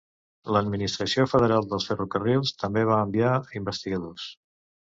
L'Administració Federal de Ferrocarrils també va enviar investigadors.